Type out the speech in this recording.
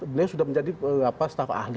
beliau sudah menjadi staf ahli